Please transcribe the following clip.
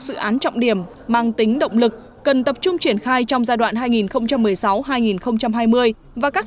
dự án trọng điểm mang tính động lực cần tập trung triển khai trong giai đoạn hai nghìn một mươi sáu hai nghìn hai mươi và các